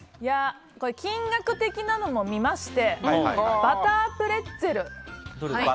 金額的なのも見ましてバタープレッツェル。